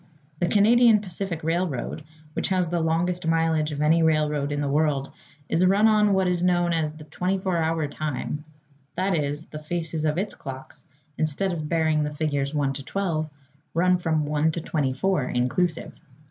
The Canadian Pacific Railroad, which has the longest mileage of any railroad in the world, is run on what is known as the 24 Hour Time; that is, the faces of its clocks, instead of bearing the figures 1 to 12, run from 1 to 24 inclusive.